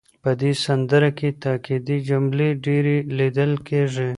په دې سندره کې تاکېدي جملې ډېرې لیدل کېږي.